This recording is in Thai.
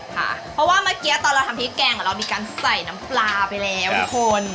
ค่ะเพราะว่าเมื่อกี้ตอนเราทำพริกแกงเรามีการใส่น้ำปลาไปแล้วทุกคน